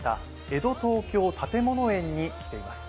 江戸東京たてもの園に来ています。